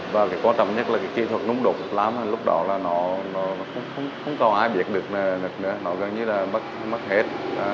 và quan trọng nhất là kỹ thuật núng đột pháp nam lúc đó không có ai biết được nữa gần như mất hết